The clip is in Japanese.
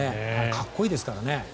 かっこいいですからね。